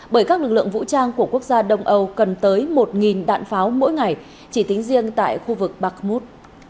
bởi các lực lượng vũ trang của quốc gia đông âu cần tới một đạn pháo mỗi ngày chỉ tính riêng tại khu vực bakrmut